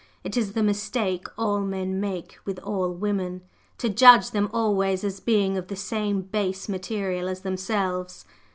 It is the mistake all men make with all women, to judge them always as being of the same base material as themselves.